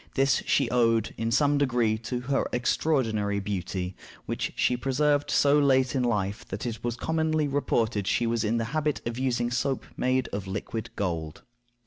This she owed in some degree to her extraordinary beauty, which she preserved so late in life that it was commonly reported she was in the habit of using soap made of liquid gold.